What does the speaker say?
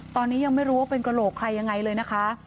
ตอนนี้ยังไม่รู้ว่าเป็นกระโหลกใครยังไงเลยนะคะ